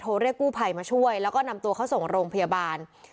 เรียกกู้ภัยมาช่วยแล้วก็นำตัวเขาส่งโรงพยาบาล